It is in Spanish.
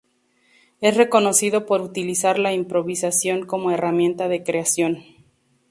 Es reconocido por utilizar la improvisación como herramienta de creación.